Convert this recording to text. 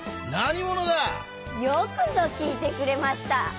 よくぞきいてくれました！